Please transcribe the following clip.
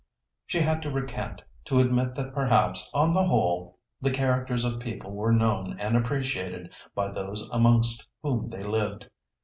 "She had to recant; to admit that perhaps, on the whole, the characters of people were known and appreciated by those amongst whom they lived.